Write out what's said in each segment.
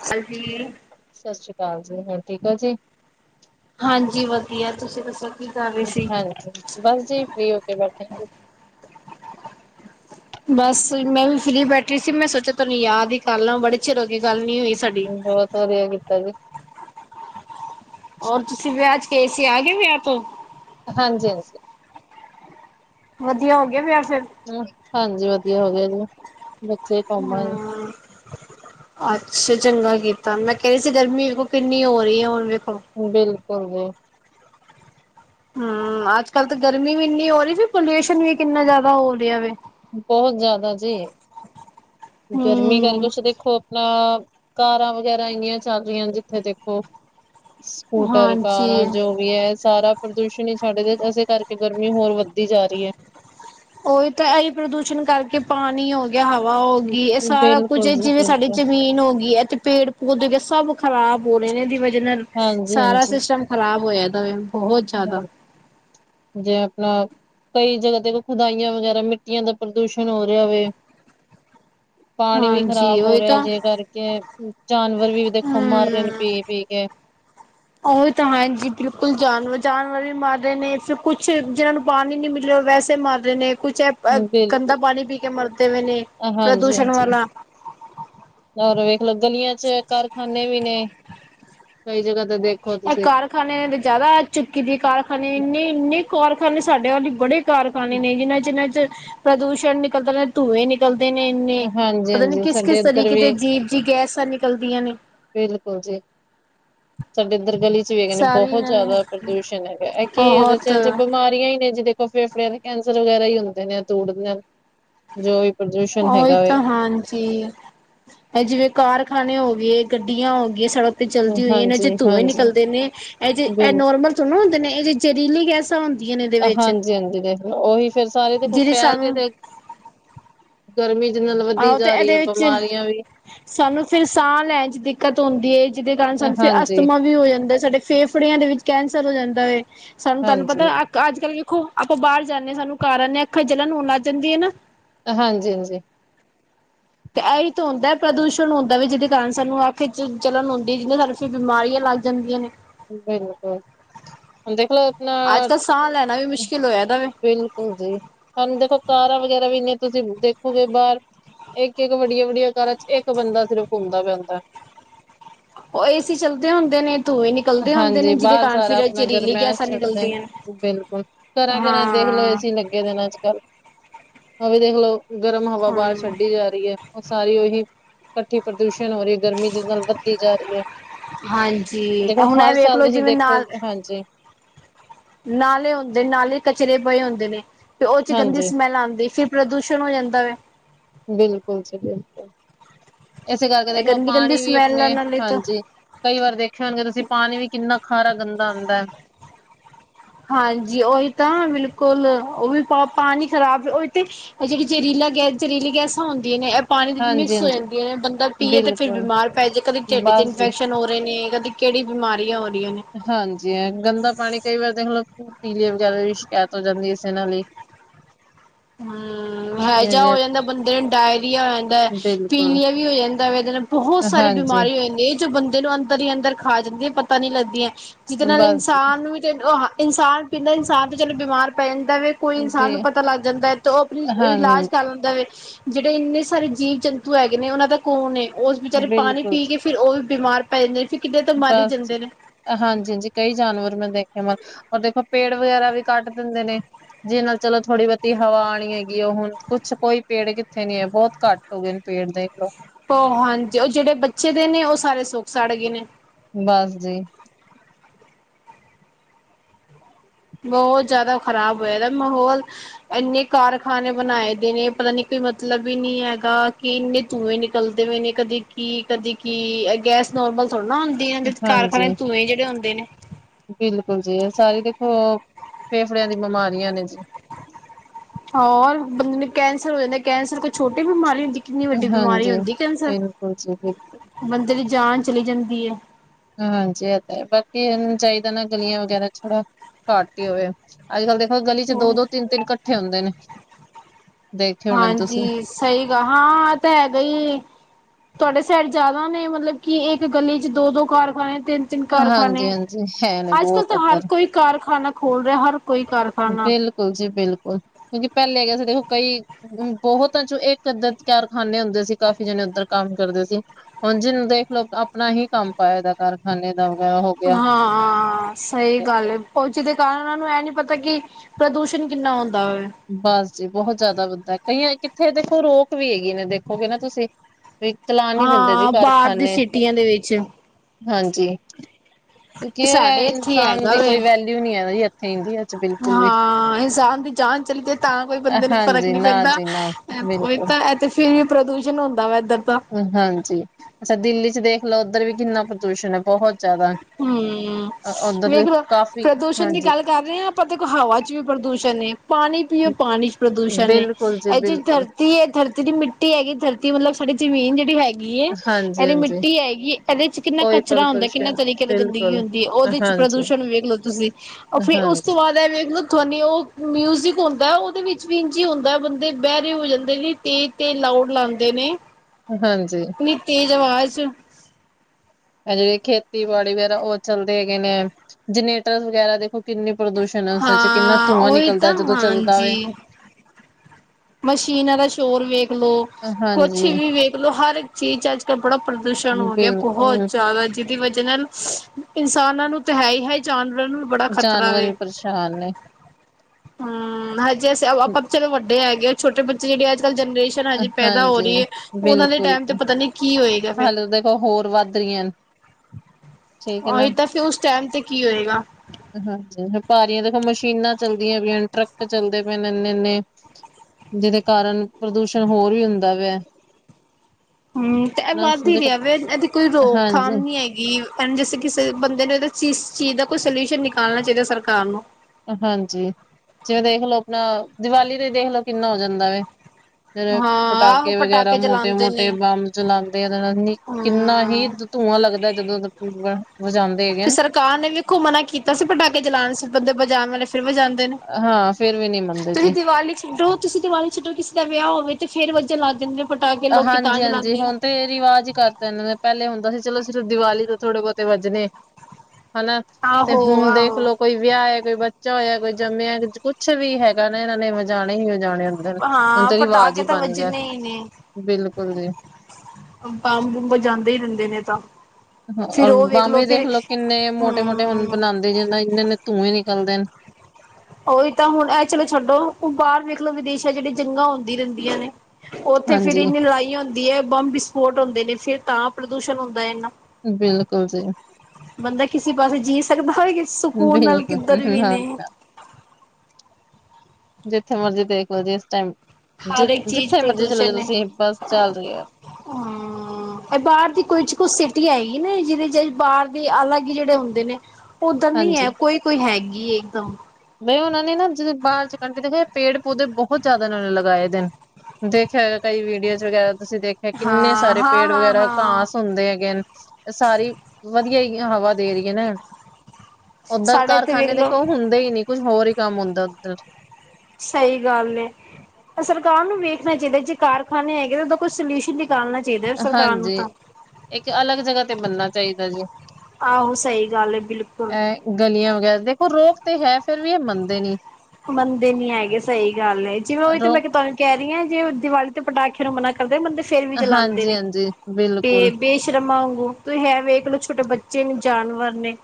ਹਾਂਜੀ ਸਤਿ ਸ਼੍ਰੀ ਅਕਾਲ ਜੀ, ਹੋਰ ਠੀਕ ਓ ਜੀ? ਹਾਂਜੀ ਵਧੀਆ, ਤੁਸੀਂ ਦੱਸੋ? ਕੀ ਕਰ ਰਹੇ ਸੀ? ਹਾਂਜੀ ਬਸ ਜੀ ਫ੍ਰੀ ਹੋ ਕੇ ਬੈਠੇ। ਬਸ ਮੈਂ ਵੀ ਫ੍ਰੀ ਬੈਠ ਸੀ ਮੈਂ ਸੋਚਿਆ ਤਾਨੂੰ ਯਾਦ ਈ ਕਰਲਾਂ ਬੜੇ ਚਿਰ ਹੋਗੇ ਗੱਲ ਨੀ ਹੋਈ ਸਾਡੀ। ਬੋਤ ਵਧੀਆ ਕੀਤਾ ਜੀ। ਔਰ ਤੁਸੀਂ ਵਿਆਹ ਚ ਗਏ ਸੀ ਆ ਗਏ ਵਿਆਹ ਤੋਂ। ਹਾਂਜੀ-ਹਾਂਜੀ। ਵਧੀਆ ਹੋ ਗਿਆ ਵਯਾ ਫੇਰ? ਹਾਂਜੀ ਵਧੀਆ ਹੋ ਗਿਆ ਜੀ ਬੱਚੇ ਕੋਮ ਆਏ। ਹੂੰ ਅੱਛਾ ਚੰਗਾ ਕੀਤਾ ਮੈਂ ਕਹਿ ਰੀ ਸੀ ਗਰਮੀ ਵੇਖੋ ਕਿੰਨੀ ਹੋ ਰੀ ਏ ਹੁਣ ਵੇਖੋ। ਬਿਲਕੁੱਲ ਜੀ। ਹੂੰ ਅੱਜ-ਕੱਲ ਤਾਂ ਗਰਮੀ ਵੀ ਇੰਨੀ ਹੋ ਹੋਰੀ ਸੀ ਪੋਲਿਊਸ਼ਨ ਵੀ ਕਿੰਨਾ ਜਾਦਾ ਹੋ ਰਯਾ ਵੇ। ਬੋਹਤ ਜਾਦਾ ਜੀ। ਗਰਮੀ ਕਰਕੇ ਹੂੰ। ਤੁਸੀ ਦੇਖੋ ਆਪਣਾ ਕਾਰਾਂ ਵਗੈਰਾ ਇੰਨੀਆਂ ਚੱਲ ਰੀਆ ਜਿੱਥੇ ਦੇਖੋ। ਸਕੂਟਰ, ਕਾਰਾਂ ਹਾਂਜੀ ਜੋ ਵੀ ਐ ਏ ਸਾਰਾ ਪ੍ਰਦੂਸ਼ਣ ਈ ਛੱਡਦੇ ਇਸੇ ਕਰਕੇ ਗਰਮੀ ਹੋਰ ਵੱਧਦੀ ਜਾ ਰੀ ਐ। ਓਈ ਤਾਂ ਐ ਈ ਪ੍ਰਦੂਸ਼ਣ ਕਰਕੇ ਪਾਣੀ ਹੋ ਗਿਆ, ਹਵਾ ਹੋ ਗੀ ਐ ਸਾਰਾ ਕੁੱਝ ਬਿਲਕੁਲ ਜੀ ਜਿਵੇਂ ਸਾਡੀ ਬਿਲਕੁਲ, ਜ਼ਮੀਨ ਹੋ ਗੀ ਐ ਤੇ ਪੇੜ ਪੋਧੇ ਹੋਗੇ ਸਭ ਖ਼ਰਾਬ ਹੋਰੇ ਨੇ ਏਦੀ ਵਜਾ ਨਾਲ ਸਾਰਾ ਹਾਂਜੀ-ਹਾਂਜੀ। ਸਿਸਟਮ ਖ਼ਰਾਬ ਹੋਇਆ ਦਾ ਵੇ। ਬੋਹਤ ਜਾਦਾ। ਜਿਵੇਂ ਆਪਣਾ ਕਈ ਜਗ੍ਹਾ ਤੇ ਖੁਦਾਈਆਂ ਵਗੈਰਾ ਮਿੱਟੀਆਂ ਦਾ ਪ੍ਰਦੂਸ਼ਣ ਹੋ ਰਿਆ ਵੇ। ਪਾਣੀ ਵੀ ਹਾਂਜੀ ਖ਼ਰਾਬ ਹੋ ਉਹੀ ਰਿਆ ਤਾਂ ਜੇ ਕਰਕੇ ਜਾਨਵਰ ਵੀ ਦੇਖੋ ਮਰ ਰੇ ਨੇ ਪੀ-ਪੀ ਕੇ। ਓਹੀ ਤਾਂ ਹਾਂਜੀ ਬਿਲਕੁੱਲ ਜਾਨ ਜਾਨਵਰ ਵੀ ਮਰ ਰੇ ਨੇ ਫ ਕੁਛ ਜਿਨਾਂ ਨੂੰ ਪਾਣੀ ਨੀ ਮਿਲਆ ਓ ਵੈਸੇ ਮਰ ਰੇ ਨੇ ਕੁਛ ਐ ਅ ਗੰਦਾ ਬਿਲਕੁਲ ਪਾਣੀ ਪੀ ਕੇ ਮਰਦੇ ਵੇ ਨੇ ਪ੍ਰਦੂਸ਼ਣ ਵਾਲਾ। ਹੋਰ ਵੇਖਲੌ ਗਲੀਆਂ ਚ ਕਾਰਖਾਨੇ ਵੀ ਨੇ ਕਈ ਜਗ੍ਹਾ ਤੇ ਦੇਖੋ ਤੁਸੀਂ ਖਾਨਿਆ ਨੇ ਤੇ ਜਾ ਅਤ ਚੁੱਕੀ ਦੀ ਕਾਰਖਾਨੇ ਇੰਨੇ-ਇੰਨੇ ਕਾਰਖਾਨੇ ਸਾਡੇ ਵਾਲੀ ਬੜੇ ਕਾਰਖਾਨੇ ਨੇ ਜਿਨਾਂ-ਜਿਨਾਂ ਚ ਪ੍ਰਦੂਸ਼ਣ ਨਿਕਲਦਾ ਧੂੰਏ ਨਿਕਲਦੇ ਨੇ ਏੰਨੇ ਹਾਂਜੀ ਪਤਾ ਨੀ ਹਾਂਜੀ ਸਾਡੇ ਕਿਸ-ਕਿਸ ਇੱਧਰ ਤਰੀਕੇ ਦੇ ਵੀ ਜੀਵ ਜੀ ਗੈਸਾਂ ਨਿਕਲਦੀਆਂ ਨੇ ਬਿਲਕੁੱਲ ਜੀ ਸਾਡੇ ਇੱਧਰ ਗਲੀ ਚ ਵੀ ਹੈਗੇ ਨੇ ਸਾਰੀ ਬੋਹਤ ਇਹਨਾਂ ਨੇ ਜਾਦਾ ਪ੍ਰਦੂਸ਼ਣ ਹੈਗਾ ਕੀ ਏਦੇ ਚ ਬਹੁਤ ਹਜੇ ਬਿਮਾਰੀਆਂ ਈ ਨੇ ਜੀ ਤਾਂ ਫੇਫੜਿਆਂ ਦੇ ਕੈਂਸਰ ਵਗੈਰਾ ਈ ਹੁੰਦੇ ਨੇ ਤੂੜਦੇ ਜੋ ਵੀ ਪ੍ਰਦੂਸ਼ਣ ਹੈ ਉਹੀ ਤਾਂ ਹਾਂਜੀ ਐ ਜਿਵੇਂ ਕਾਰਖਾਨੇ ਹੋਗੇ, ਗੱਡੀਆਂ ਹੋਗੀਆਂ ਸੜਕ ਤੇ ਚਲਦੀ ਹੋਈ ਏਨਾ ਚ ਹਾਂਜੀ ਧੂੰਏ ਹਾਂਜੀ ਨਿਕਲਦੇ ਨੇ ਐ ਜੇ ਐ ਬਿਲ ਨੋਰਮਲ ਥੋੜਾ ਨਾ ਹੁੰਦੇ ਨੇ ਐਥੇ ਚ ਜ਼ਹਿਰੀਲੀ ਗੈਸ ਸਾਂ ਹੁੰਦੀਆਂ ਨੇ। ਇਹਦੇ ਵਿੱਚ ਹਾਂਜੀ-ਹਾਂਜੀ ਦੇਖ ਓਹੀ ਫੇਰ ਸਾਰੇ ਦੇਖੋ ਜਿਹੜੀ ਫੈਲਜੇ ਸਾਨੂੰ ਤੇ ਗਰਮੀ ਜ ਨਾਲ ਵਧੀ ਆਹੋ ਤੇ ਜਾ ਰੀ ਐ ਇਹਦੇ ਵਿੱਚ ਬਮਾਰੀਆਂ ਵੀ। ਸਾਨੂੰ ਫੇਰ ਸਾਹ ਲੈਣ ਚ ਦਿੱਕਤ ਹੁੰਦੀ ਏ ਜਿਦੇ ਕਾਰਨ ਸਾਨੂੰ ਫਿਰ ਹਾਂਜੀ-ਹਾਂਜੀ, ਅਸਥਮਾ ਵੀ ਹੋ ਜਾਂਦਾ ਸਾਡੇ ਫੇਫੜਿਆਂ ਦੇ ਵਿੱਚ ਕੈਂਸਰ ਹੋ ਜਾਂਦਾ ਏ ਸਾਨੂੰ ਤਾਨੂੰ ਪਤਾ ਅੱਜ-ਕੱਲ ਦੇਖੋ ਆਪਾਂ ਬਾਰ ਜਾਂਣੇ ਆ ਸਾਨੂੰ ਕਾਰ ਆਨੇ ਆ ਅੱਖਾਂ ਚ ਜਲਣ ਹੋਣ ਲੱਗ ਜਾਂਦੀ ਏ ਨਾ। ਹਾਂਜੀ-ਹਾਂਜੀ। ਤੇ ਐ ਈ੍ ਤੇ ਹੁੰਦੈ ਪ੍ਰਦੂਸ਼ਣ ਹੁੰਦਾ ਵੀ ਜਿਦੇ ਕਾਰਨ ਸਾਨੂੰ ਖ ਚ ਜਲਣ ਹੁੰਦੀ ਜਿਦੇ ਸਾਨੂੰ ਫਿਰ ਬਿਮਾਰੀਆਂ ਲੱਗ ਜਾਂਦੀਆਂ ਨੇ। ਬਿਲਕੁਲ-ਬਿਲਕੁੱਲ ਹੁਣ ਦੇਖਲੈ ਅੱਜ ਨਾ ਕੱਲ੍ਹ ਸਾਹ ਲੈਣਾ ਵੀ ਮੁਸ਼ਕਿਲ ਹੋਇਆ ਦਾ ਵੇ ਬਿਲਕੁੱਲ ਜੀ। ਸਾਨੂੰ ਦੇਖੋ ਕਾਰਾਂ ਵਗੈਰਾ ਵੀ ਇੰਨਿਆ ਤੁਸੀਂ ਦੇਖੋਗੇ ਬਾਰ ਇੱਕ-ਇੱਕ ਵੱਡੀਆਂ-ਵੱਡੀਆਂ ਕਾਰਾਂ ਚ ਇੱਕ ਬੰਦਾ ਸਿਰਫ਼ ਘੁੰਮਦਾ ਪਿਆ ਹੁੰਦਾ। ਓ ਏਸੀ ਚੱਲਦੇ ਹੁੰਦੇ ਨੇ ਤੂੰਏ ਨੀ ਹਾਂਜੀ ਬਾਰ ਸਾਰਾ ਆਪਣਾ ਗਰਮੈਸ਼ ਗੈਸਾਂ ਛੱਡਦੇ ਨਿਕਲਦੀਆਂ ਨੇ ਬਿਲਕੁੱਲ ਘਰਾਂ-ਘਰਾਂ ਚ ਦੇਖ ਲਓ ਹਾਂ ਏਸੀ ਲੱ ਗੇ ਦਿਨ ਅੱਜ-ਕੱਲ, ਆ ਵੀ ਦੇਖਲੋ ਗਰਮ ਹਵਾ ਬਾਰ ਹਮ ਛੱਡੀ ਜਾ ਰੀ ਐ। ਓ ਸਾਰੀ ਓਹੀ, ਇਕੱਠੀ ਪ੍ਰਦੂਸ਼ਣ ਹੋਰੀ ਐ ਗਰਮੀ ਦੇ ਨਾਲ ਵੱਧਦੀ ਜਾ ਰੀ ਐ। ਹਾਂਜੀ ਆ ਹੁਣ, ਐਹ ਵੇਖਲੋ ਤੁਸੀਂ ਜਿਵੇ ਨਾਲ ਦੇਖੋਗੇ ਹਾਂਜੀ ਨਾਲੇ ਹੁੰਦੇ ਨਾਲੇ ਕਚਰੇ ਪਏ ਹੁੰਦੇ ਨੇ ਤੇ, ਉਹ 'ਚ ਗੰਦੀ ਹਾਂਜੀ ਸਮੈਲ ਆਦੀ ਫਿਰ ਪ੍ਰਦੂਸ਼ਣ ਹੋ ਜਾਂਦਾ ਵੇ। ਬਿਲਕੁਲ ਜੀ ਬਿਲਕੁਲ ਇਸੇ ਕਰਕੇ ਇਹ ਦੇਖ ਲਓ ਗੰਦੀ ਗੰਦੀ ਪਾਣੀ ਵੀ ਸਮੈਲ ਆਪਣੇ, ਨਾਲੇ ਤਾਂ ਹਾਂਜੀ। ਕਈ ਵਾਰ ਦੇਖੇ ਹੋਣਗੇ ਤੁਸੀਂ ਪਾਣੀ ਵੀ ਕਿੰਨਾ ਖਾਰਾ, ਗੰਦਾ ਆਦਾ ਏ। ਹਾਂਜੀ ਉਹੀ ਤਾਂ ਬਿਲਕੁਲ, ਉਹ ਵੀ ਪ ਪਾਣੀ ਖ਼ਰਾਬ ਉਹੀ ਤੇ ਸਿਕ ਆਹ ਜਿਹੜੀ ਜ਼ਹਿਰੀਲਾ ਗੈਸ ਜ਼ਹਿਰੀਲੀ ਗੈਸਾਂ ਹੁੰਦੀਆਂ ਨੇ, ਐਹ ਪਾਣੀ ਦੇ ਵਿੱਚ ਹਾਂਜੀ ਮਿਕਸ ਹੋ ਹਾਂਜੀ ਜਾਂਦੀਆਂ ਏ ਬੰਦਾ ਪੀਏ ਤੇ ਫਿਰ ਬਿਲਕੁਲ ਬਿਮਾਰ ਪੈ ਜੈ ਕਦੇ ਢਿੱਡ 'ਚ ਬਸ ਜੀ ਇਨਫੈਕਸ਼ਨ ਹੋ ਰੇ ਨੇ, ਕਦੀ ਕਿਹੜੀ ਬਿਮਾਰੀਆਂ ਹੋ ਰਹੀਆਂ ਨੇ ਫੇ ਹਾਂਜੀ ਐ ਗੰਦਾ ਪਾਣੀ ਕਈ ਵਾਰ ਦੇਖ ਲਓ, ਪੀਲੀਏ ਵਗੈਰਾ ਦੀ ਸ਼ਿਕਾਇਤ ਹੋ ਜਾਂਦੀ ਇਸੇ ਨਾਂਲ ਹੀ। [inaudible] ਹੂੰ ਜਿਵੇਂ ਹੇਜਾ ਹੋ ਜਾਂਦਾ ਜਿਵੇਂ ਬੰਦੇ ਨੂੰ ਡਾਇਰੀਆ ਹੋ ਜਾਂਦਾ ਐ। ਬਿਲਕੁਲ ਪੀਲੀਆ ਵੀ ਹੋ ਜਾਂਦਾ ਵਾਂ ਇਹਦੇ ਨਾਲ ਬਹੁਤ ਸਾਰੇ ਹਾਂਜੀ ਬਿਮਾਰੀ ਹੋ ਜਾਂਦੀ। ਜੋ ਬੰਦੇ ਨੂੰ ਅੰਦਰ ਹੀ ਅੰਦਰ ਖਾ ਜਾਂਦੀ ਏ ਪਤਾ ਨੀ ਲੱਗਦੀਆਂ ਜਿਹਦੇ ਨਾਲ ਬਸ ਇਨਸਾਨ ਵੀ ਆਹਾ ਇਨਸਾਨ ਪੀਂਦਾ ਇਨਸਾਨ ਤੇ ਚਲੋ ਬਿਮਾਰ ਪੈ ਜਾਂਦਾ ਵੇ ਕੋਈ ਇਨਸਾਨ ਜੀ ਨੂੰ ਪਤਾ ਲੱਗ ਵੇ ਤੋਂ, ਇਹ ਹਾਂਜੀ ਇਲਾਜ ਕਰ ਲਗਦਾ ਵੇ ਜਿਹੜੇ ਇੰਨੇ ਸਾਰੇ ਜੀਵ-ਜੰਤੂ ਹੈਗੇ ਨੇ ਉਹਨਾਂ ਦਾ ਕੌਣ ਏ ਉਸ ਵਿਚਾਰੇ ਪਾਣੀ ਬਿਲਕੁਲ ਪੀ ਜੀ, ਕੇ ਫਿਰ ਉਹ ਵੀ ਬਿਮਾਰ ਪੈ ਜਾਂਦੇ ਫਿਰ ਕਿਤੇ ਤਾਂ ਮਾਰੀ ਈ ਬਸ ਜੀ। ਜਾਂਦੇ ਨੇ। ਹਾਂਜੀ-ਹਾਂਜੀ, ਕਈ ਜਾਨਵਰ ਮੈਂ ਦੇਖਿਆ ਮਰ ਔਰ ਦੇਖੋ ਪੇੜ ਵਗੈਰਾ ਵੀ ਕੱਟ ਦਿੰਦੇ ਨੇ। ਜਿਹੇ ਨਾਲ ਚਲੋ ਥੋੜ੍ਹੀ ਬਹੁਤੀ ਹਵਾ ਆਣੀ ਹੈਗੀ ਐ ਹੁਣ ਕੁਛ ਕੋਈ ਪੇੜ ਕਿੱਥੇ ਨੀ ਏ ਬਹੁਤ ਘੱਟ ਪੇੜ [unintelligible] ਉਹ ਹਾਂਜੀ ਉਹ ਜਿਹੜੇ ਬੱਚੇ ਦੇ ਨੇ ਉਹ ਸਾਰੇ ਸੁੱਖ ਸਾੜ ਗੇ ਨੇ। ਬਸ ਜੀ। ਬਹੁਤ ਜ਼ਿਆਦਾ ਖ਼ਰਾਬ ਹੋਇਆ ਦਾ ਮਾਹੌਲ। ਇੰਨੇ ਕਾਰਖਾਨੇ ਬਣਾਏ ਦੇ ਨੇ ਪਤਾ ਨੀ ਕੋਈ ਮਤਲਬ ਹੀ ਨੀ ਹੈਗਾ ਕਿ ਇੰਨੇ ਉਹਵੇ ਨਿਕਲਦੇ ਵੀ ਨੀ ਕਦੀ-ਕੀ ਕਦੀ ਕੀ ਇਹ ਗੈਸ ਨੋਰਮਲ ਥੋੜਾ ਨਾ ਹੁੰਦ ਤੇ, ਇਹਨਾਂ ਦੇ ਕਾਰਖਾਨੇ ਹਾਂਜੀ ਧੂੰਏ ਜੇੜੇ ਹੁੰਦੇ ਨੇ। ਬਿਲਕੁਲ ਜੀ ਇਹ ਸਾਰੀ ਦੇਖੋ ਫੇਫੜਿਆਂ ਦੀ ਬਿਮਾਰੀਆਂ ਨੇ। ਹੋਰ ਬੰਦੇ ਨੂੰ ਕੈਂਸਰ ਹੋ ਜਾਂਦਾ ਐ ਕੈਂਸਰ ਕੋਈ ਛੋਟੀ ਬਿਮਾਰੀ ਹੁੰਦੀ। ਕਿੰਨੀ ਵੱਡੀ ਬਿਮਾਰੀ ਹਾਂਜੀ। ਹੁੰਦੀ ਐ ਕੈਂਸਰ ਬਿਲਕੁਲ ਜੀ ਬਿਲਕੁਲ, ਬੰਦੇ ਦੀ ਜਾਨ ਚਲੀ ਜਾਂਦੀ ਐ। ਹਾਂਜੀ ਐਹ ਤੇ ਹੈ ਬਾਕੀ ਇਹਨ ਨੂੰ ਚਾਹੀਦਾ ਨਾ ਗਲੀਆਂ ਵਗੈਰਾ ਥੋੜਾ ਘੱਟ ਹੀ ਹੋਵੇ। ਅੱਜ-ਕੱਲ੍ਹ ਦੇਖੋ ਗਲੀ 'ਚ ਦੋ-ਦੋ, ਤਿੰਨ-ਤਿੰਨ ਇਕੱਠੇ ਹੁੰਦੇ ਨੇ। ਦੇਖੇ ਹੋਣੇ ਤੁਸੀਂ। ਹਾਂਜੀ ਸਹੀ ਗਾ ਹਾਂ ਐ ਇਹ ਤਾਂ ਹੈਗਾ ਈ। ਤੁਹਾਡੇ ਸਾਈਡ ਜ਼ਿਆਦਾ ਨੇ ਮਤਲਬ ਕੀ ਇੱਕ ਗਲੀ 'ਚ ਦੋ-ਦੋ ਕਾਰਖਾਨੇ ਤਿੰਨ ਤਿੰਨ ਹਾਂਜੀ ਕਾਰਖਾਨੇ ਹਾਂਜੀ ਹੈ ਨੇ ਅੱਜ-ਕਲ ਬਹੁਤ ਤਾਂ ਹਰ ਇੱਧਰ ਕੋਈ ਕਾਰਖਾਨਾ ਖੋਲ ਰਿਹਾ ਹਰ ਕੋਈ ਕਾਰ ਬਿਲਕੁਲ ਜੀ ਬਿਲਕੁਲ ਕਿਉਂਕਿ ਪਹਿਲੇ ਹੈਗਾ ਸੀ ਦੇਖੋ ਕਈ ਬਹੁਤਾਂ 'ਚੋਂ ਇੱਕ ਅੱਧ ਕ ਕਾਰਖਾਨੇ ਹੁੰਦੇ ਸੀ ਕਾਫੀ ਜਣੇ ਉੱਧਰ ਕੰਮ ਕਰਦੇ ਸੀ। ਹੁਣ ਜਿਹਨੂੰ ਦੇਖਲੋ ਆਪਣਾ ਹੀ ਕੰਮ ਪਾਏ ਦਾ ਕਾਰਖਾਨੇ [inaudible] ਹਾਂ ਆ ਸਹੀ ਗੱਲ ਐ। ਉਹ ਜਿਹਦੇ ਕਾਰਨ ਉਹਨਾਂ ਨੂੰ ਐਹ ਨੀ ਪਤਾ ਕਿ, ਪ੍ਰਦੂਸ਼ਣ ਕਿੰਨਾ ਹੁੰਦਾ ਵਏ। ਬਸ ਜੀ ਬਹੁਤ ਜ਼ਿਆਦਾ ਵਧਦਾ ਕਈਆਂ ਦੇ ਕਿੱਥੇ ਦੇਖੋ ਰੋਕ ਵੀ ਹੈਗੀ ਨੇ ਦੇਖੋਗੇ ਨਾ ਤੁਸੀਂ ਵੀ, ਚਲਾਨ ਨੀ, ਦਿੰਦੇ ਜੀ ਹਾਂ ਬਾਹਰ ਦੀ ਕਾਰਖਾਨੇ, ਸਿਟੀਆਂ ਦੇ ਵਿੱਚ ਹਾਂਜੀ। ਕਿਉਂਕਿ ਐਹ ਸਾਡੇ ਇੱਥੇ ਇਨਸਾਨ ਹੈਗਾ ਦੀ ਵੇ ਕੋਈ ਵੈਲਊ ਨਹੀ ਹੈ ਵੀ, ਇੱਥੇ ਇੰਡੀਆ 'ਚ ਬਿਲਕੁਲ ਵੀ। ਚਲਤੇ ਤਾਂ ਕੋਈ ਬੰਦੇ ਨੂੰ ਫ਼ਰਕ ਹਾਂਜੀ ਨੀ ਨਾ ਪੈਂਦਾ, ਜੀ ਨਾ ਐ ਉਹੀ ਬਿਲਕੁਲ ਤਾਂ ਏਹ ਤੇ- ਫੇਰ ਵੀ ਪ੍ਰਦੂਸ਼ਣ ਹੁੰਦਾ ਵਾ, ਇੱਧਰ ਤਾਂ। ਹਾਂਜੀ ਅੱਛਾ ਦਿੱਲੀ 'ਚ ਦੇਖ ਲੋ ਉੱਧਰ ਵੀ ਕਿੰਨਾ ਪ੍ਰਦੂਸ਼ਣ ਹੈ, ਬਹੁਤ ਜ਼ਿਆਦਾ। ਹੂੰ ਉੱਧਰ ਦੇ ਵੇਖਲੋ ਕਾਫ਼ੀ ਪ੍ਰਦੂਸ਼ਣ ਦੀ ਹਾਂਜੀ, ਗੱਲ ਕਰ ਰੇ ਆ ਆਪਾਂ ਦੇਖੋ ਹਵਾ 'ਚ ਵੀ ਪ੍ਰਦੂਸ਼ਣ ਏ। ਪਾਣੀ ਪਿਓ ਪਾਣੀ ਚ ਪ੍ਰਦੂਸ਼ਣ ਹੈ। ਬਿਲਕੁਲ ਜੀ ਇਹ ਜਿ ਬਿਲਕੁਲ ਧਰਤੀ ਹੈ, ਧਰਤੀ ਜਿਹੜੀ ਮਿੱਟੀ ਹੈਗੀ ਧਰਤੀ ਵਾਲੋ, ਸਾਡੀ ਜ਼ਮੀਨ ਜਿਹੜੀ ਹੈਗੀ ਹੈਗੀ ਏ, ਇਹਦੀ ਹਾਂਜੀ-ਹਾਂਜੀ। ਮਿੱਟੀ ਹੈਗੀ ਐ ਇਹਦੇ ਚ ਕਿੰਨਾ ਉਹੀ ਕਚਰਾ ਹੁੰਦਾ। ਕਿੰਨਾ ਪ੍ਰਦੂਸ਼ਣ ਤਰੀਕੇ ਗੰਦਗੀ ਬਿਲਕੁਲ ਹੁੰਦੀ ਹੈ। ਉਹਦੇ ਚ ਹਾਂਜੀ, ਪ੍ਰਦੂਸ਼ਣ ਵੀ ਵੇਖ ਲੋ ਤੁਸੀਂ ਔ ਫੇਰ ਉਸ ਤੋਂ ਹਾਂਜੀ, ਬਾਅਦ ਪਰ ਐ ਵੇਖਲੋ ਤੁਹਾਨੂੰ ਉਹ ਮਿਊਜ਼ਿਕ ਹੁੰਦਾ ਹੈ। ਉਹਦੇ ਵਿੱਚ ਵੀ ਇੰਝ ਹੀ ਹੁੰਦਾ ਬੰਦੇ ਬਹਿਰੇ ਹੋ ਜਾਂਦੇ ਨੇ ਤੇ ਤੇ ਲਾੳਗ ਲਾਉਂਦੇ ਨੇ ਹਾਂਜੀ। ਇਂਨੀ ਤੇਜ਼ ਆਵਾਜ਼ ਚ ਉਹ ਵੇਖੀ ਖੇਤੀਬਾੜੀ ਵਗੈਰਾ, ਉਹ ਚਲਦੇ ਹੈਗੇ ਨੇ ਜਨਰੇਟਰ ਵਗੈਰਾ ਦੇਖੋ ਕਿੰਨੀ ਪ੍ਰਦੂਸ਼ਣ ਹੈ ਉਸ ਵਿੱਚ ਕਿੰਨਾ ਹਾਂ ਧੂੰਆਂ ਉਹੀ ਨਿਕਲਦਾ ਤਾਂ ਜਦੋਂ ਚੱਲਦਾ ਐ। ਹਾਂਜੀ ਮਸ਼ੀਨਾਂ ਦਾ ਸ਼ੋਰ ਵੇਖਲੋ ਕੁਛ ਹਾਂਜੀ, ਵੀ ਵੇਖਲੋ, ਹਰ ਇਕ ਚੀਜ਼ ਚ ਅੱਜ ਕੱਲ ਬੜਾ ਪ੍ਰਦੂਸ਼ਣ ਹੋ ਗਿਆ। ਬਿਲਕੁਲ ਬਹੁਤ ਜ਼ਿਆਦਾ ਜੀ। ਦੀ ਵਜਾ ਨਾਲ ਇਨਸਾਨਾਂ ਨੂੰ ਤੈ ਹੈ ਹੀ ਹੈ, ਜਾਨਵਰਾਂ ਨੂੰ ਬੜਾ ਖ਼ਤਰਾ ਜਾਨਵਰ ਵੀ ਪਰੇਸ਼ਾਨ ਨੇ। ਹੂੰ ਹਜੇ ਅਸੀਂ ਆਪਾਂ ਚਲੋ ਵੱਡੇ ਹੈਗੇ ਆ ਛੋਟੇ ਬੱਚੇ ਅੱਜ ਕੱਲ ਜਨਰੇਸ਼ਨ ਹਜੇ ਪੈਦਾ ਹੋ ਹਾਂਜੀ, ਰਹੀ ਹੈ। ਉਹਨਾਂ ਦੇ ਬਿਲਕੁਲ ਟਾਈਮ ਤੇ ਪਤਾ ਨੀ ਕੀ ਹੋਏ। ਹਾਲੇ ਦੇਖੋ, ਹੋਰ ਵੱਧ ਰਹੀਆਂ ਹਨ। ਉਹੀ ਤਾਂ ਫੇਰ, ਉਸ ਟਾਈਮ ਤੇ ਕੀ ਹੋਏਗਾ। ਹਾਂਜੀ ਹੁਣ ਦੁਪਾਰੀਆਂ ਦੇਖੋ ਮਸ਼ੀਨਾਂ ਚਲਦੀਆਂ ਪਈਆਂ ਨੇ, ਟਰੱਕ ਚੱਲਦੇ ਪਏ ਨੇ ਇੰਨੇ- ਇੰਨੇ। ਜਿਹਦੇ ਕਾਰਨ ਪ੍ਰਦੂਸ਼ਣ ਹੋਰ ਵੀ ਹੁੰਦਾ ਹੈਗਾ। ਹੂੰ ਤੇ ਇਹ ਵੱਧ ਹੀ ਰਿਹਾ ਵੇ ਇਹਦੀ ਕੋਈ ਰੋਕਥਾਮ ਹਾਂਜੀ ਨੀ ਹੈਗੀ। ਹਾਜੀ ਜੇ ਅਸੀਂ ਕਿਸੇ ਬੰਦੇ ਨੇ ਇਹ ਚੀਜ਼ ਦਾ ਕੋਈ ਸੋਲਿਊਸ਼ਨ ਨਿਕਾਲਣਾ ਚਾਹੀਦਾ ਸਰਕਾਰ ਨੂੰ। ਹਾਂਜੀ, ਜਿਵੇਂ ਦੇਖਲੋ ਆਪਣਾ ਦੀਵਾਲੀ ਤੇ ਦੇਖਲੋ ਕਿੰਨਾ ਹੋ ਜਾਂਦਾ ਵੇ। ਜਿਵੇਂ ਹਾਂ ਆਹੋ ਪਟਾਕੇ ਵਗੈਰਾ ਜਲਾਉਂਦੇ ਮੋਟੇ-ਮੋਟੇ ਨੇ ਬੰਬ ਚਲਾਉਂਦੇ ਆ ਕਿੰਨਾ ਹੀ ਹਾਂ ਪ੍- ਧੂੰਆਂ ਲੱਗਦਾ ਜਦੋਂ- ਜਦੋਂ ਵਜਾਉਂਦੇ ਹੈਗੇ ਤੇ ਨੇ। ਸਰਕਾਰ ਨੇ ਵੀ ਵੇਖੋ ਮਨਾ ਕੀਤਾ ਸੀ। ਪਟਾਕੇ ਜਲਾਨ ਸੀ ਪਰ ਬਜਾਣ ਬਜਾ ਵਾਲੇ ਫੇਰ ਵਜਾਦੇ ਦੇ ਨੇ ਹਾਂ ਫੇਰ ਵੀ ਨਹੀਂ ਮੰਨਦੇ ਤੁਸੀਂ ਜੀ ਦੀਵਾਲੀ ਚ ਤੋ, ਤੁਸੀਂ ਦੀਵਾਲੀ ਵਿੱਚ ਕਿਸੇ ਦਾ ਵਿਆਹ ਹੋਵੇ ਤੇ ਫੇਰ ਵੱਜਣ ਲਗ ਜਾਦੇਂਣ। ਹਾਂਜੀ-ਹਾਂਜੀ, ਹੁਣ ਤੇ ਐ ਰਿਵਾਜ਼ ਹੀ ਕਰਤਾ। ਤੇ ਜਿਵੇਂ ਪਹਿਲੇ ਹੁੰਦਾ ਸੀ, ਚਲੋ ਸਿਰਫ਼ 'ਦੀਵਾਲੀ'ਤੋਂ ਥੋੜੇ- ਬਹੁਤੇ ਵੱਜਣੇ। ਹੈਨਾ, ਤੇ ਆਹੋ ਹੁਣ ਆਹੋ ਦੇਖਲਓ ਕੋਈ ਵਿਆਹ ਹੋਇਆ, ਕੋਈ ਬੱਚਾ ਹੋਇਆ, ਕੋਈ ਜੰਮਿਆ ਕੁੱਛ ਵੀ ਹੈਗਾ ਨਾ ਇਹਨਾਂ ਨੇ ਵਜਾਣੇ। ਵਜਾਣੇ ਹੀ ਵਜਾਣੇ ਹੁੰਦੇ ਨੇ ਹੁਣ ਹਾਂ ਤੇ ਰਿਵਾਜ਼ ਪਟਾਕੇ ਹੀ ਤਾਂ ਬਣ ਗਿਆ। [unintelligible] ਬਿਲਕੁਲ ਜੀ। ਬੰਬ ਬੁੰਬ ਵਜਾਂਦੇ ਈ ਰੈਂਦੇ ਨੇ ਏ ਤਾਂ ਫਿਰ ਔਰ ਉਹ ਬੰਬ ਵੇਖਲੋ ਵੀ ਫਿਰ ਦੇਖਲੋ ਕਿੰਨੇ ਮੋਟੇ-ਮੋਟੇ ਹੁਨ ਹਮ ਬਨਾਂਦੇ ਜੇ ਇੰਨੇ-ਇੰਨੇ ਧੂੰਏ ਨਿਕਲਦੇ ਨੇ। ਓਈ ਤਾਂ ਹੁਨ ਐਹ ਚਲੋ ਛੱਡੋ ਓ ਬਾਹਰ ਦੇਖਲੋ ਵਿਦੇਸ਼ਾਂ ਚ ਜੇੜੀਆਂ ਜੰਗਾਂ ਹੁੰਦੀ ਰੈਂਦੀਆਂ ਨੇ। ਓਥੇ ਫੇਰ ਹਾਂਜੀ ਇੰਨੀ ਲੜਾਈ ਹੁੰਦੀ ਐ ਬੰਬ ਵਿਸਫੋਟ ਹੁੰਦੇ ਨੇ ਫਿਰ ਤਾਂ ਪ੍ਰਦੂਸ਼ਣ ਹੁੰਦਾ ਇੰਨਾਂ- ਬਿਲਕੁਲ ਜੀ। ਬੰਦਾ ਕਿਸੇ ਪਾਸੇ ਜੀਅ ਸਕਦਾ ਹੋਵੇ ਕਿ ਸਕੂਨ ਨਾਲ ਬਿਲਕੁਲ ਕਿੱਦਰ ਵੀ ਨੀ। ਹਾਂਜੀ ਜਿੱਥੇ ਮਰਜੀ ਦੇਖਲੋ ਜਿਸ ਟੈਮ ਜਿ ਹਰ ਇੱਕ ਚੀਜ਼ ਜਿੱਥੇ ਮਰਜ਼ੀ ਚੱਲੇ ਜਾਓ ਤੁਸੀਂ ਬਸ ਚੱਲ ਰਈ ਐ। ਊਂ ਹੂੰ ਬਾਰ ਦੀ ਕੁਝ ਕੁਛ ਸਿਟੀ ਹੈਗੀ ਨੇ ਜਿਦੇ ਚ ਬਾਰ ਦੇ ਅਲੱਗ ਈ ਜੇੜੇ ਹੁੰਦੇ ਨੇ ਓਦਰ ਨਈ ਹਾਂਜੀ ਐ ਕੋਈ-ਕੋਈ ਹੈਗੀ ਏ ਇਕਦਮ ਨਈ ਓਨਾਂ ਨੇ ਨਾ ਜਦ ਬਾਲ ਚ ਖੜ ਕੇ ਦੇਖੇ ਪੇੜ ਪੌਦੇ ਬਹੁ ਜ਼ਾਦਾ ਨੇ ਲਗਾਏ ਦੇ ਨੇ। ਦੇਖੇਆ ਕਈ ਵੀਡੀਓਜ਼ ਵਗੈਰਾ ਤੁਸੀਂ ਦੇਖੇਆ ਕਿੰਨੇ ਹਾਂ ਸਾਰੇ ਹਾਂ ਪੇੜ ਹਾਂ ਵਗੈਰਾ ਹਾਂ ਘਾਸ ਹੁੰਦੇ ਹੈਗੇ ਨੇ ਸਾਰੀ ਵਦੀਆ ਈ ਹਵਾ ਦੇ ਰਈ ਐ ਨਾ ਓਦਰ ਸਾਡੇ ਇੱਥੇ ਵੇਖ ਕਾਰਖਾਨੇ ਲਓ ਦੇਖੋ ਹੁੰਦੇ ਈ ਨਈ ਕੁਝ ਹੋਰ ਈ ਕੰਮ ਹੁੰਦਾ ਓਦਰ ਸਏ ਗੱਲ ਏ ਤਾਂ ਸਰਕਾਰ ਨੂੰ ਵੇਖਨਾ ਚਈਦਾ ਜੇ ਕਾਰਖਾਨੇ ਹੈਗੇ ਤਾਂ ਕੋਈ ਸਲਿਊਸ਼ਨ ਸਾਮਨਾ ਚਈਦੈ ਸਰਕਾਰ ਨੂੰ ਹਾਂਜੀ। ਤਾਂ। ਇੱਕ ਅਲੱਗ ਜਗ੍ਹਾ ਤੇ ਬਨਨਾ ਚਈਦਾ ਜੀ ਆਹੋ ਸਹੀ ਗੱਲ ਹੈ ਬਿਲਕੁਲ। ਐ ਗਲੀਆਂ ਵਗੈਰਾ ਦੇਖੋ ਰੋ ਤੇ ਹੈ ਫਿਰ ਵੀ ਐ ਮੰਨਦੇ ਨੀ ਹੈਗੇ ਸਈ ਗੱਲ ਐ ਜਿਵੇਂ ਓਹੀ ਤੇ ਮੈਂ ਰੋਕ ਕਿਆ ਤਾਨੂ ਕੈ ਰਈਆਂ ਜੇ ਦਿਵਾਲੀ ਤੇ ਪਟਾਖੇ ਨੂੰ ਮਨਾ ਕਰਦੇ ਬੰਦੇ ਫੇਰ ਵੀ ਜਲਾਂਦੇ ਹਾਂਜੀ ਨੇ ਹਾਂਜੀ ਤੇ ਬਿਲਕੁਲ ਬੇਸ਼ ਰਮਾਂਗੂ ਤੁਸੀਂ ਐਹ ਵੇਖਲੋ ਛੋਟੇ ਬੱਚੇ ਨੇ ਜਾਨਵਰ ਨੇ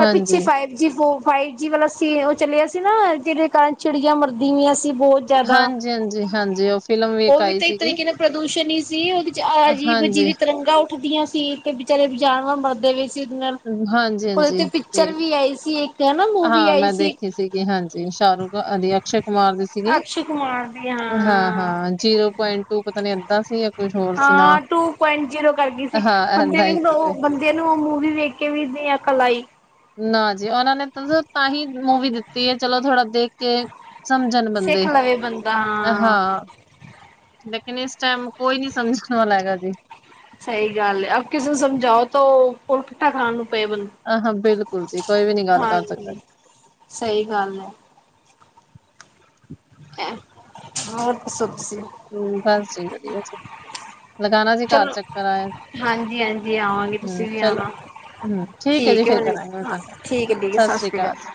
ਐ ਪਿੱਛੇ ਪਏ ਜੀ ਫੋ ਫਾਈਵ ਜੀ ਵਾਲਾ ਸੀ ਓ ਚਲੇਆ ਸੀ ਨਾ ਜਿਦੇ ਕਾਰਨ ਚਿੜੀਆਂ ਮਰਦੀਆਂ ਨੀ ਸੀ ਬਹੁ ਜ਼ਾਦਾ ਹਾਂਜੀ ਹਾਂਜੀ ਹਾਂਜੀ ਉਹ ਫਿਲਮ ਓ ਵੀ ਆਈ ਤਾਂ ਇੱਕ ਸੀਗੀ ਤਰੀਕੇ ਨਾਲ ਪ੍ਰਦੂਸ਼ਣ ਈ ਸੀ ਓਦੇ ਚ ਅਜੀਬ ਹਾਂਜੀ। ਅਜੀਵਿਕ ਤਰੰਗਾਂ ਉੱਠਦੀਆਂ ਸੀ ਤੇ ਬਚਾਰੇ ਜਾਨਵਰ ਮਰਦੇ ਵੀ ਕਿਦੇ ਨਾਲ ਹਾਂਜੀ ਓਦੇ ਤੇ ਹਾਂਜੀ ਪਿਕਚਰ ਵੀ ਆਈ ਸੀ ਇੱਕ ਹੈਨਾ ਮੂਵੀ ਹਾਂ ਆਈ ਮੈਂ ਸੀ। ਦੇਖੀ ਸੀਗੀ ਹਾਂਜੀ ਸ਼ਾਹਰੁਖ ਦੀ, ਅਕਸ਼ੇ ਕੁਮਾਰ ਦੀ ਸੀਗੀ ਅਕਸ਼ੇ ਕੁਮਾਰ ਦੀ ਹਾਂ ਹਾਂ-ਹਾਂ। ਜ਼ੀਰੋ ਪੁਐਂਟ ਤੂੰ ਪਤਾ ਨੀ ਏਦਾਂ ਸੀ ਕੁਛ ਹੋਰ ਸੀ ਨਾ ਹਾਂ ਟੂ ਪੁਆਇੰਟ ਜੀਰੋ ਕਰਗੀ ਸੀ ਹਾਂ ਬੰਦੇ ਏਦਾਂ ਹੀ ਵੀ ਸੀ ਓ ਕੋਈ ਬੰ ਤੈਨੂੰ ਓ ਮੂਵੀ ਵੇਖ ਕੇ ਵੀ ਨੀ ਅਕਲ ਆਈ। ਨਾ ਜੀ ਓਨਾਂ ਨੇ ਤਾਂ ਤਾਂਹੀ ਮੂਵੀ ਦਿੱਤੀ ਐ ਚਲੋ ਥੋੜ੍ਹਾ ਦੇਖ ਕੇ ਸਮਝਣ ਸਿੱਖ ਬੰਦੇ, ਲਵੇ ਬੰਦਾ ਹਾਂ। ਲੇਕਿਨ ਇਸ ਟੈਮ ਕੋਈ ਨੀ ਸਮਝਣ ਵਾਲਾ ਹੈਗਾ ਜੀ। ਸਈ ਗੱਲ ਐ ਔ ਕਿਸੇ ਨੂੰ ਸਮਝਾਓ ਤੋ ਓ ਪੁੱਠਾ ਖਾਨ ਨੂੰ ਪਏ ਬੰ ਅਹਾਂ ਬਿਲਕੁਲ ਜੀ ਕੋਈ ਵੀ ਨੀ ਗੱਲ ਕਰ ਸਕਦਾ ਜੀ। ਸਈ ਗੱਲ ਐ। ਐਂ ਹੋਰ ਦੱਸੋ ਤੁਸੀ। ਹੂੰ ਬਸ ਜੀ ਵਧੀਆ ਚ ਲਗਾਣਾ ਸੀ ਘਰ ਚਲੋ ਚੱਕਰ ਆਏ, ਹਾਂਜੀ ਹਾਂਜੀ ਆਵਾਂਗੇ ਹੂੰ ਤੁਸੀਂ ਵੀ ਚਲੋ ਆਣਾ ਹੂੰ ਠੀਕ ਐ ਜੀ ਹੈ ਫੇਰ ਹੁਣ ਕਰਾਂਗੇ ਹੁਨ ਤਾਡੇ ਨਾਲ, ਠੀਕ ਹੈ ਠੀਕ ਹੈ ਸਤਿ ਸਸ ਰੀ ਸ਼੍ਰੀ ਅਕਾਲ ਕਾਲ ਜੀ।